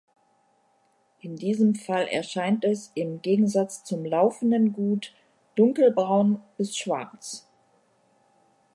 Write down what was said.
In diesem Fall erscheint es im Gegensatz zum laufenden Gut dunkelbraun bis schwarz.